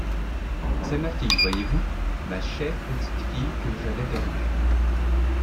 C’est ma fille, voyez-vous? ma chère petite fille que j’avais perdue!